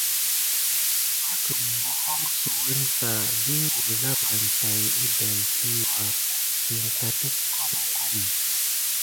Wakəbohonsewounsa vi wuza van tay əday kiwa in tat əkamokum.